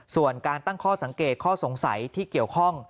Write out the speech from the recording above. ส่วนการตั้งข้อสังเกตข้อสงสัยที่เกี่ยวข้อง